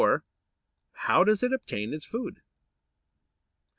How does it obtain its food?